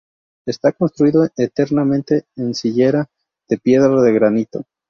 Está construido enteramente en sillería de piedra de granito.